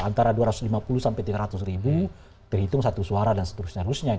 antara dua ratus lima puluh sampai tiga ratus ribu terhitung satu suara dan seterusnya